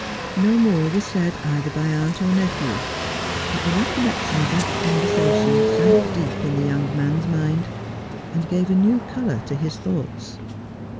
No more was said either by aunt or nephew ; but the recollection of that conversation sank deep in the young mans mind, and gave a new colour to his thoughts.